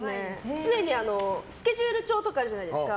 常にスケジュール帳とかあるじゃないですか。